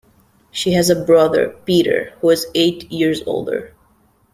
She has a brother, Peter, who is eight years older.